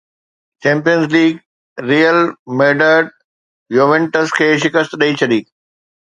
champions League Real Madrid Juventus کي شڪست ڏئي ڇڏي